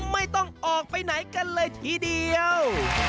ไม่ต้องออกไปไหนกันเลยทีเดียว